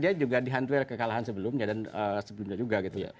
dia juga dihantui ke kalahan sebelumnya dan sebelumnya juga gitu